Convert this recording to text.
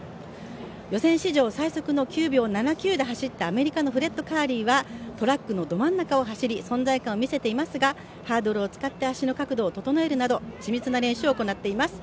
予選史上最速の９秒７９で走ったアメリカのフレッド・カーリーはトラックのど真ん中を走り、存在感を見せていますが、ハードルを使って足の角度を整えるなど緻密な練習を行っています。